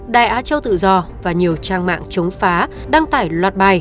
đại á châu tự do và nhiều trang mạng chống phá đăng tải loạt bài